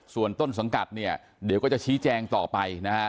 ส่วนต้นสังกัดเนี่ยเดี๋ยวก็จะชี้แจงต่อไปนะฮะ